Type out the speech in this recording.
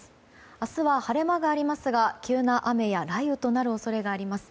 明日は晴れ間がありますが急な雨や雷雨となる恐れがあります。